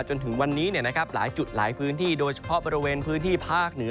จนถึงวันนี้หลายจุดหลายพื้นที่โดยเฉพาะบริเวณพื้นที่ภาคเหนือ